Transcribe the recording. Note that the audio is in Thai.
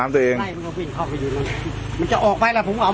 ละคราวนี้ตัวนี้หลักแล้วตายตายแล้ว